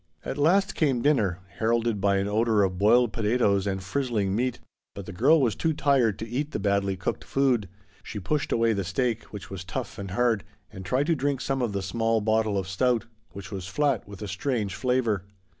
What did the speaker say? At last came dinner, heralded by an odour of boiled potatoes and frizzling meat. But the girl was too tired to eat the badly cooked food ; she pushed away the steak, which was tough and hard, and tried to drink some of the small bottle of stout, which was flat, with a strange flavour.